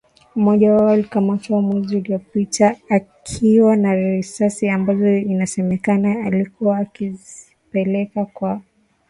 Mmoja wao alikamatwa mwezi uliopita akiwa na risasi ambazo inasemekana alikuwa akizipeleka kwa wanamgambo wa CODECO katika mkoa wa Kobu